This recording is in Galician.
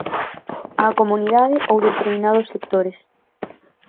Á comunidade ou determinados sectores?